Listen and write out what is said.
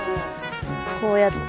こうやって。